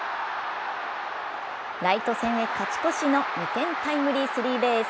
ライト線へ勝ち越しの２点タイムリースリーベース。